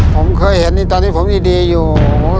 ผมเคยเห็นตอนนี้ผมดีอยู่